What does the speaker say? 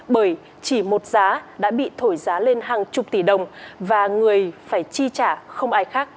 bởi chỉ một giá đã bị thổi giá lên hàng chục tỷ đồng và người phải chi trả không ai khác